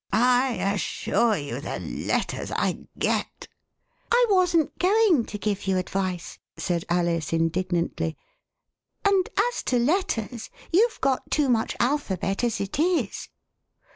I assure you the letters I get "I wasn't going to give you advice," said Alice indignantly, and as to letters, you've got too much alphabet as it is."